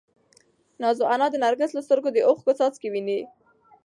نازو انا د نرګس له سترګو د اوښکو څاڅکي ویني.